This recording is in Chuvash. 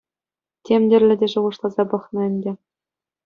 Тем тӗрлӗ те шухӑшласа пӑхнӑ ӗнтӗ.